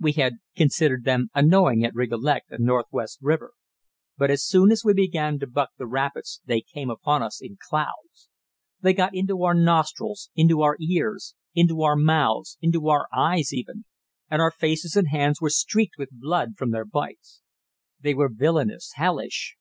We had considered them annoying at Rigolet and Northwest River, but as soon as we began to buck the rapids they came upon us in clouds. They got into our nostrils, into our ears, into our mouths, into our eyes even, and our faces and hands were streaked with blood from their bites. They were villainous, hellish.